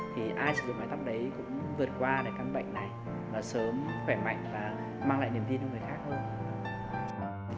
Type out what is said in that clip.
thì ai sử dụng mái tóc đấy cũng vượt qua cái bệnh này và sớm khỏe mạnh và mang lại niềm tin cho người khác hơn